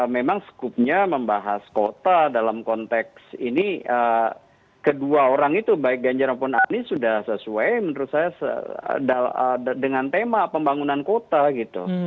memang skupnya membahas kota dalam konteks ini kedua orang itu baik ganjar maupun anies sudah sesuai menurut saya dengan tema pembangunan kota gitu